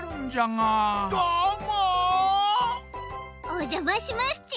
おじゃましますち！